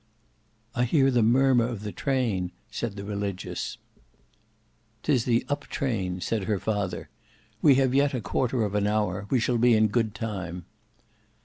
"I hear the murmur of the train," said the Religious. "'Tis the up train," said her father. "We have yet a quarter of an hour; we shall be in good time."